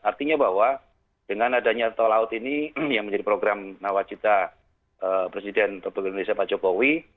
artinya bahwa dengan adanya tol laut ini yang menjadi program nawacita presiden republik indonesia pak jokowi